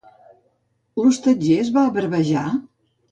L'hostatger es va bravejar?